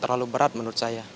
terlalu berat menurut saya